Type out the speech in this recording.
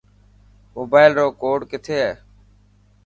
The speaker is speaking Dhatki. موبائل رو ڪوڊ ڪٿي هي.